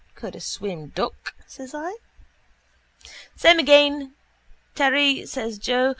—Could a swim duck? says I. —Same again, Terry, says Joe.